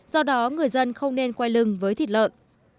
do đó người dân không nên quay lưng với thịt lợn